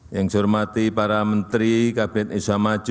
yang saya hormati para menteri kabinet isamaju